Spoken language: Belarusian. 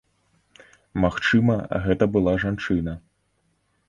Магчыма, гэта была жанчына.